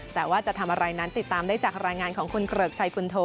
แต่ว่าจะทำอะไรนั้นติดตามได้จากรายงานของคุณเกริกชัยคุณโท